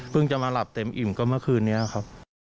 จะมาหลับเต็มอิ่มก็เมื่อคืนนี้ครับ